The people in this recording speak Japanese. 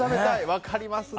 分かりますね。